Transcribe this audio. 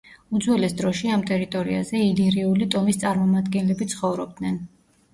უძველეს დროში ამ ტერიტორიაზე ილირიული ტომის წარმომადგენლები ცხოვრობდნენ.